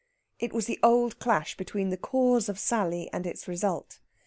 It was the old clash between the cause of Sally and its result.